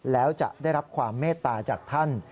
แล้วจะได้รับความเมตตาจากท่าน